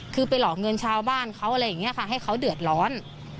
คือไปหลอกเงินชาวบ้านเขาอะไรอย่างนี้ค่ะให้เขาเดือดร้อน